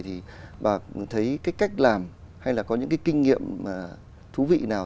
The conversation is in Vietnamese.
thì bà thấy cái cách làm hay là có những cái kinh nghiệm thú vị nào